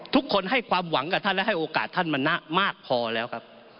ทุกคนให้ความหวังกับท่านและให้โอกาสท่านมณะมากพอแล้วครับ